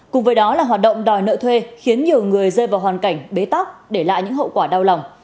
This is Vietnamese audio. cùng với đó là hoạt động đòi nợ thuê khiến nhiều người rơi vào hoàn cảnh bế tắc để lại những hậu quả đau lòng